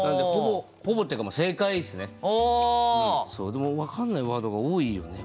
でも分かんないワードが多いよね。